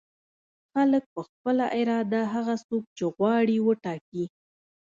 خلک په خپله اراده هغه څوک چې غواړي وټاکي.